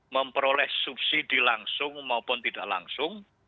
memperoleh subsidi langsung maupun tidak langsung